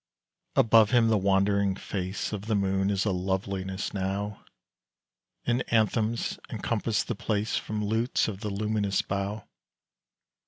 Above him the wandering face Of the moon is a loveliness now, And anthems encompass the place From lutes of the luminous bough.